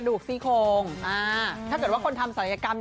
วกซี่โคงถ้าเกิดว่าคนทำศัลยกรรม